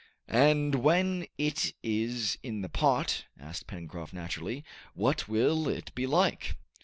"And when it is in the pot," asked Pencroft naturally, "what will it be like?"